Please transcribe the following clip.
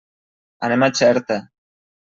Anem a Xerta.